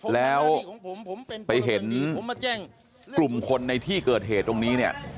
แล้วไปเห็นกลุ่มคนในที่เกิดเหตุตรงนี้เนี่ย